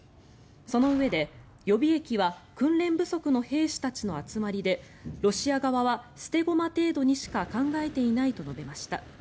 そのうえで予備役は訓練不足の兵士たちの集まりでロシア側は捨て駒程度にしか考えていないと述べました。